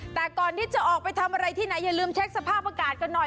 แต่ก่อนที่จะออกไปทำอะไรที่ไหนอย่าลืมเช็คสภาพอากาศกันหน่อย